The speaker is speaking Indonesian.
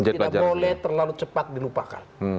tidak boleh terlalu cepat dilupakan